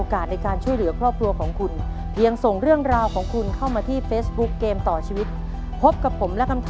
ขอบคุณเงินทุน๑๐๐๐๐๐บาทวันนี้นะคะ